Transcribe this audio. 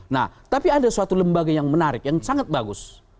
nah tapi ada suatu lembaga yang menarik yang sangat bagus